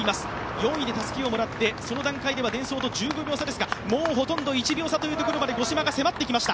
４位でたすきをもらって、その段階ではデンソーと１５秒差ですがもうほとんど１秒差というところまで五島が迫ってきました。